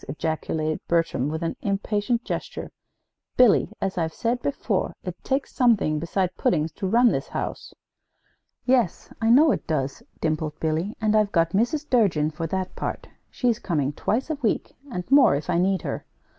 ejaculated Bertram, with an impatient gesture. "Billy, as I've said before, it takes something besides puddings to run this house." "Yes, I know it does," dimpled Billy, "and I've got Mrs. Durgin for that part. She's coming twice a week, and more, if I need her.